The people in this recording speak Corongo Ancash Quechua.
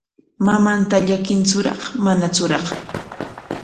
¿Mamanta llakintsuraq manatsuraq?